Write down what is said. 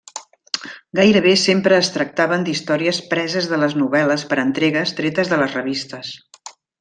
Gairebé sempre es tractaven d'històries preses de les novel·les per entregues tretes de les revistes.